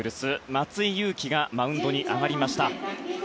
松井裕樹がマウンドに上がりました。